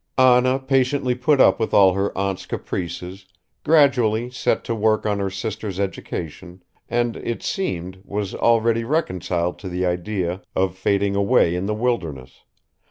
Anna patiently put up with all her aunt's caprices, gradually set to work on her sister's education and, it seemed, was already reconciled to the idea of fading away in the wilderness